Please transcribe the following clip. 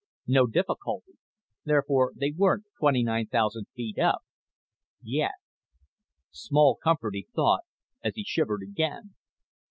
No difficulty. Therefore they weren't 29,000 feet up yet. Small comfort, he thought, as he shivered again.